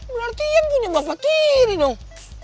berarti yang punya bapak tiri dong